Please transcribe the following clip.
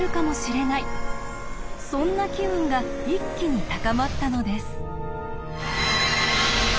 そんな機運が一気に高まったのです。